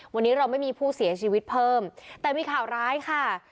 วันนี้เราไม่มีผู้เสียชีวิตเพิ่มแต่มีข่าวร้ายค่ะ